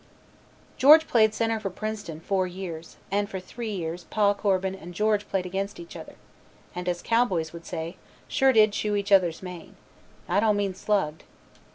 George played center for Princeton four years, and for three years "Pa" Corbin and George played against each other, and, as cow boys would say, "sure did chew each other's mane." I don't mean slugged.